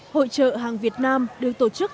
hội trợ hàng việt nam được tổ chức